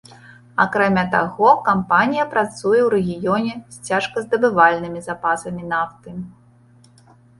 Акрамя таго, кампанія працуе ў рэгіёне з цяжказдабывальнымі запасамі нафты.